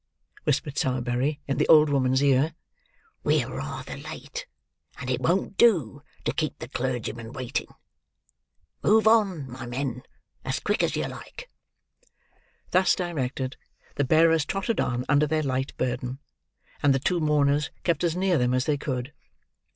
whispered Sowerberry in the old woman's ear; "we are rather late; and it won't do, to keep the clergyman waiting. Move on, my men,—as quick as you like!" Thus directed, the bearers trotted on under their light burden; and the two mourners kept as near them, as they could.